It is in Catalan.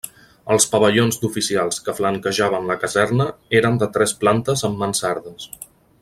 Els pavellons d'oficials que flanquejaven la caserna eren de tres plantes amb mansardes.